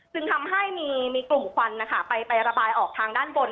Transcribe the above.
จึงทำให้มีกลุ่มควันไประบายออกทางด้านบน